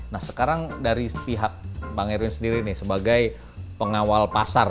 nah sekarang dari pihak bang erwin sendiri nih sebagai pengawal pasar